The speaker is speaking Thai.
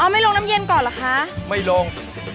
ไม่ลงน้ำเย็นก่อนเหรอคะไม่ลง